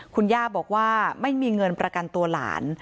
คุณย่าบอกว่าไม่มีเงินประกันตัวหลาน